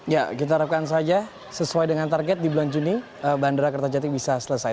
ya kita harapkan saja sesuai dengan target di bulan juni bandara kertajati bisa selesai